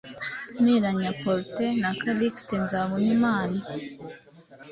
Mpiranya Protais na Callixte Nzabonimana